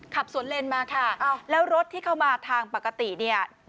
ขับสวนเลนมาค่ะแล้วรถที่เข้ามาทางปกติเนี่ย